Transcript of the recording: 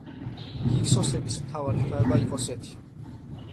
ჰიქსოსების მთავარი ღვთაება იყო სეთი.